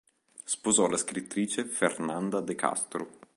Sposò la scrittrice Fernanda de Castro.